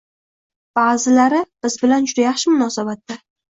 Ba’zilari biz bilan juda yaxshi munosabatda